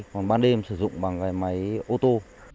còn ban đêm sử dụng bằng máy ô tô